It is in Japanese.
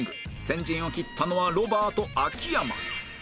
先陣を切ったのはロバート秋山